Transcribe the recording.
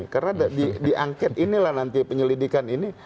karena di angket inilah nanti penyelidikan ini